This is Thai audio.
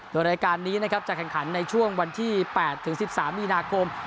โดยรายการนี้นะครับจะแข่งขันในช่วงวันที่๘ถึง๑๓มีนาคม